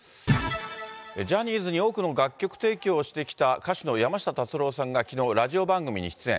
ジャニーズに多くの楽曲提供をしてきた歌手の山下達郎さんがきのう、ラジオ番組に出演。